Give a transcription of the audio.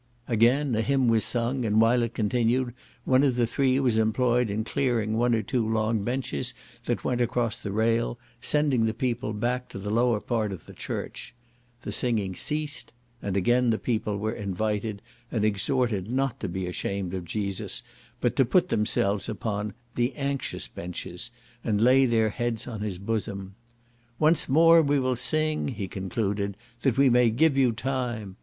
Again a hymn was sung, and while it continued, one of the three was employed in clearing one or two long benches that went across the rail, sending the people back to the lower part of the church. The singing ceased, and again the people were invited, and exhorted not to be ashamed of Jesus, but to put themselves upon "the anxious benches," and lay their heads on his bosom. "Once more we will sing," he concluded, "that we may give you time."